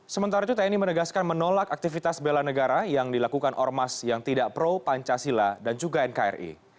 sementara itu tni menegaskan menolak aktivitas bela negara yang dilakukan ormas yang tidak pro pancasila dan juga nkri